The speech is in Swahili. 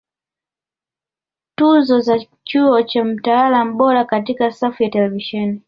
Tuzo za Chuo cha Mtaalam Bora Katika safu ya Televisheni